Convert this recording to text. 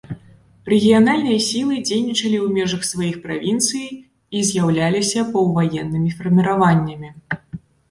Рэгіянальныя сілы дзейнічалі ў межах сваіх правінцый і з'еўляліся паўваеннымі фарміраваннямі.